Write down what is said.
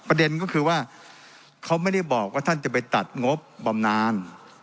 ประเด็นก็คือว่าเขาไม่ได้บอกว่าท่านจะไปตัดงบบำนาน